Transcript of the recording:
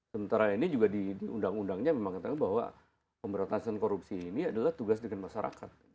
sementara ini juga di undang undangnya memang katakan bahwa pemberantasan korupsi ini adalah tugas dengan masyarakat